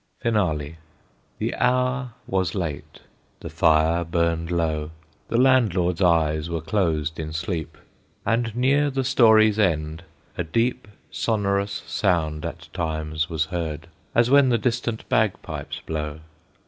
FINALE. The hour was late; the fire burned low, The Landlord's eyes were closed in sleep, And near the story's end a deep Sonorous sound at times was heard, As when the distant bagpipes blow.